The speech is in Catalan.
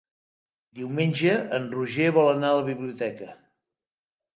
Diumenge en Roger vol anar a la biblioteca.